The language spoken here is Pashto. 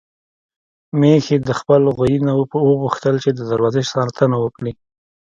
ميښې د خپل غويي نه وغوښتل چې د دروازې ساتنه وکړي.